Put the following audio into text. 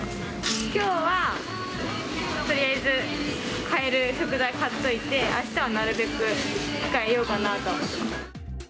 きょうはとりあえず、買える食材買っといて、あしたはなるべく控えようかなと。